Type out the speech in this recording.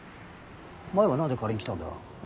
前はなんで借りに来たんだ？